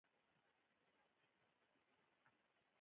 یتیم څوک سرپرستي کوي؟